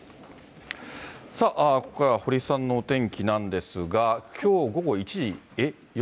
さあ、ここからは堀さんのお天気なんですが、きょう午後１時、え？